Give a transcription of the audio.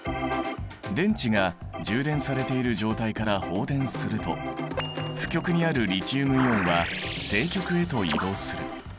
電池が充電されている状態から放電すると負極にあるリチウムイオンは正極へと移動する。